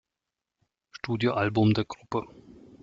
Studioalbum der Gruppe.